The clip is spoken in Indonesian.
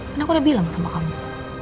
kan aku udah bilang sama kamu